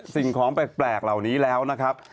สิ่งของแปลกเหล่านี้แล้วนะครับ